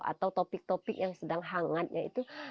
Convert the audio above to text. atau topik topik yang sedang hangat yaitu